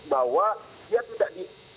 bahwa dia tidak di